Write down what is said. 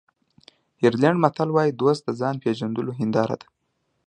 آیرلېنډي متل وایي دوست د ځان پېژندلو هنداره ده.